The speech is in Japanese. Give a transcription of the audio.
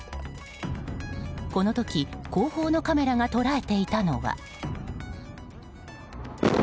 この時、後方のカメラが捉えていたのは。